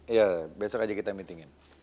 iya besok aja kita meetingin